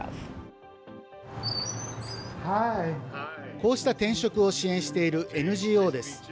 こうした転職を支援しているＮＧＯです。